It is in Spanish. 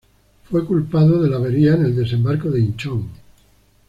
Fue culpado de la avería en el Desembarco de Inchon.